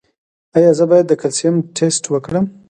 ایا زه باید د کلسیم ټسټ وکړم؟